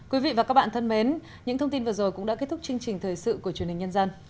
quý vị và các bạn thân mến những thông tin vừa rồi cũng đã kết thúc chương trình thời sự của truyền hình nhân dân